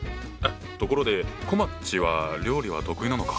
ところでこまっちは料理は得意なのか？